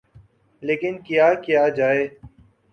لیکن کیا کیا جائے۔